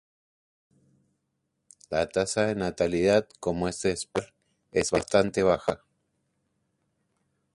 La tasa de natalidad, como es de esperar, es bastante baja.